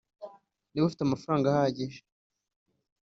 niba afite amafaranga ahagije